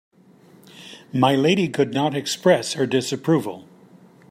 My lady could not express her disapproval.